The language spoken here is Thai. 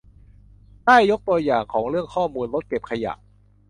ได้ยกตัวอย่างเรื่องของข้อมูลรถเก็บขยะ